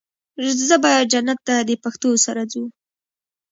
زه به جنت ته د پښتو سره ځو